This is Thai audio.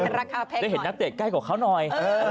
ราคาแพงหน่อยได้เห็นนับเต็มใกล้กว่าเขาน่อย